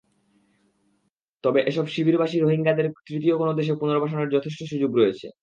তবে এসব শিবিরবাসী রোহিঙ্গাদের তৃতীয় কোনো দেশে পুনর্বাসনের যথেষ্ট সুযোগ রয়েছে।